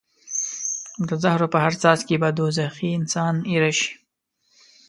د زهرو په هر څاڅکي به دوزخي انسان ایره شي.